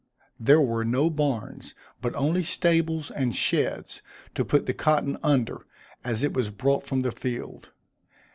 There were no barns, but only stables and sheds, to put the cotton under, as it was brought from the field.